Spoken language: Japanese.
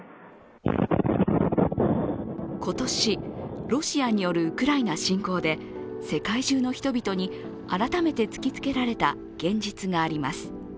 今年、ロシアによるウクライナ侵攻で世界中の人々に改めて突きつけられた現実があります。